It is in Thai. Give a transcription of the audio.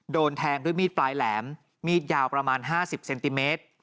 โดนแทงด้วยมีดปลายแหลมมีดยาวประมาณ๕๐เซนติเมตร